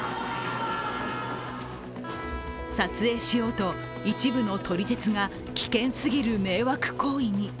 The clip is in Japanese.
撮影しようと、一部の撮り鉄が危険すぎる迷惑行為に。